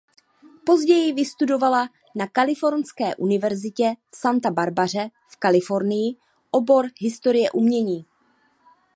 Později vystudovala na Kalifornské univerzitě v Santa Barbaře v Kalifornii obor Historie umění.